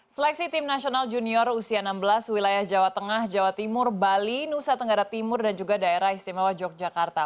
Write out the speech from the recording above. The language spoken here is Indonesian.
seleksi tim nasional junior usia enam belas wilayah jawa tengah jawa timur bali nusa tenggara timur dan juga daerah istimewa yogyakarta